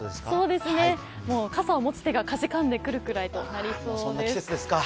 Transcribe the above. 傘を持つ手がかじかんでくるくらいになりそうです。